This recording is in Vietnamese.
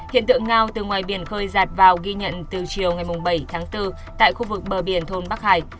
hiện tượng ngao từ ngoài biển khơi giạt vào ghi nhận từ chiều ngày bảy tháng bốn tại khu vực bờ biển thôn bắc hải